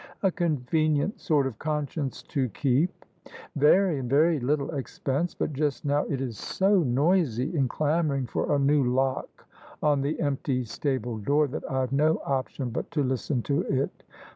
" A convenient sort of conscience to keep !" "Very; and very little expense. But just now it is so noisy in clamouring for a new lock on the empty stable door that IVe no option but to listen to it.